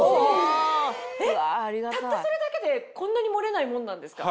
えったったそれだけでこんなに漏れないもんなんですか？